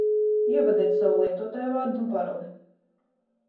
Ievadiet savu lietotājvārdu un paroli